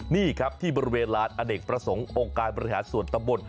นี่ครับที่บริเวณลานอเนกประสงค์องค์การบริหารส่วนตำบล